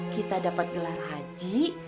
kita dapat gelar haji